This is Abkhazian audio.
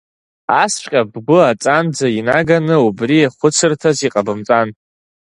Асҵәҟьа бгәы аҵанӡа инаганы убри хәыцырҭас иҟабымҵан!